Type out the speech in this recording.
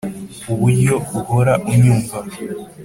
uburyo uhora unyumva.